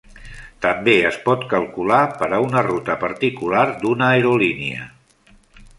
També es pot calcular per a una ruta particular d'una aerolínia.